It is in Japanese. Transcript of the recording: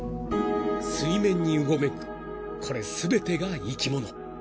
［水面にうごめくこれ全てが生き物］